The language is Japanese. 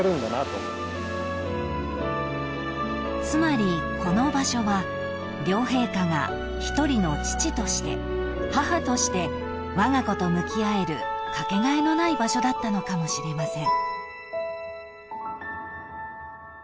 ［つまりこの場所は両陛下が一人の父として母としてわが子と向き合えるかけがえのない場所だったのかもしれません］